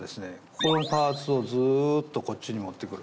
このパーツをずっとこっちに持ってくる。